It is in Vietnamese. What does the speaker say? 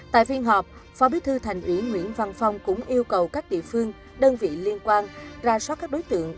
tại phiên họp phó bí thư thành ủy nguyễn văn phong cũng yêu cầu các địa phương đơn vị liên quan ra soát các đối tượng